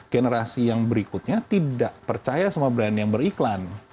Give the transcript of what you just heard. generasi yang berikutnya tidak percaya sama brand yang beriklan